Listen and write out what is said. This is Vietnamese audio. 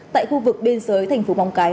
tại khu vực biên giới thành phố móng cái